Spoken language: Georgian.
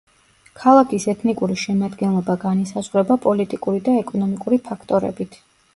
ქალაქის ეთნიკური შემადგენლობა განისაზღვრება პოლიტიკური და ეკონომიკური ფაქტორებით.